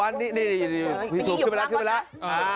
นี่พี่สู้ขึ้นไปแล้ว